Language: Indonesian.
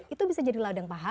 itu bisa jadi ladang pahala ya